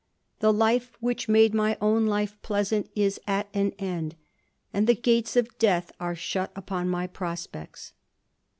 The life which my own life pleasant is at an end, and the gates of deatib are shut upon my prospects.